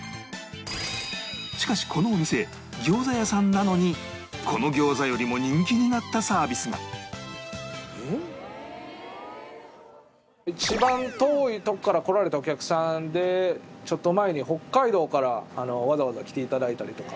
しかしこのお店餃子屋さんなのにこの一番遠いとこから来られたお客さんでちょっと前に北海道からわざわざ来ていただいたりとか。